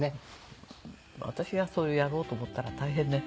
私がそれをやろうと思ったら大変ね。